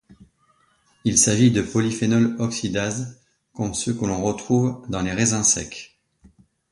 Il s'agit de polyphénol oxydases comme ceux que l'on retrouve dans les raisins secs.